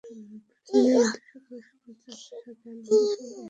প্রতিদিনের মতো শুক্রবার সকালে চাচা শাহজাহান আলীর সঙ্গে হাঁটতে বেরিয়েছিল শাহাদাত।